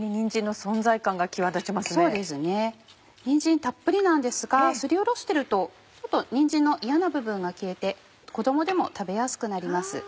そうですねにんじんたっぷりなんですがすりおろしてるとにんじんの嫌な部分が消えて子供でも食べやすくなります。